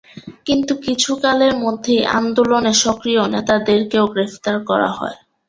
কিন্তু কিছুকালের মধ্যেই আন্দোলনে সক্রিয় নেতাদেরকেও গ্রেফতার করা হয়।